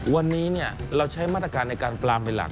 วันนี้เราใช้มาตรการในการปลามเป็นหลัก